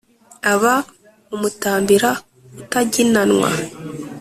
aba umutambira utaginanwa.